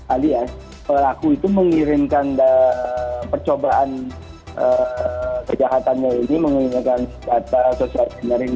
alias pelaku itu mengirimkan percobaan kejahatannya ini menggunakan data social engineering